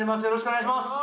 よろしくお願いします。